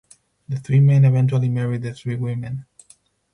The three men eventually marry the three women.